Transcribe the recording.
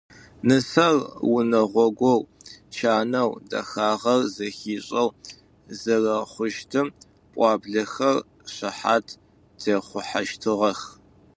Нысэр унэгъогоу, чанэу, дэхагъэр зэхишӏэу зэрэхъущтым пӏуаблэхэр шыхьат техъухьэщтыгъэх.